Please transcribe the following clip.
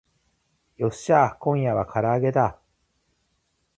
よっしゃー今夜は唐揚げだ